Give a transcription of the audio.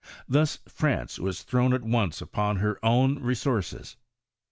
Thus France was thrown at once upon her own re ■ources.